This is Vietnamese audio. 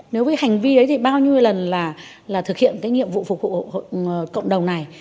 nếu với hành vi ấy thì bao nhiêu lần là thực hiện cái nhiệm vụ phục vụ cộng đồng này